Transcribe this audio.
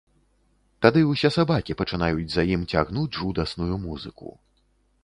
Тады ўсе сабакі пачынаюць за ім цягнуць жудасную музыку.